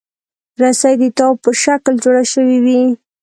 رسۍ د تاو په شکل جوړه شوې وي.